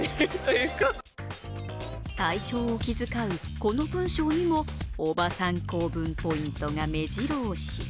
体調を気遣うこの文章にもおばさん構文ポイントが目白押し。